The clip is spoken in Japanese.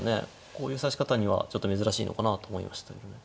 こういう指し方にはちょっと珍しいのかなと思いました。